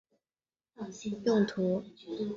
二甲苯蓝和溴酚蓝也常被用于该用途。